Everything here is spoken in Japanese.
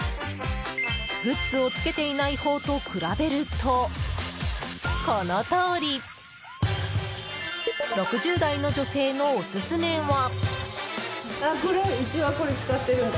グッズを付けていないほうと比べると、このとおり。６０代の女性のオススメは。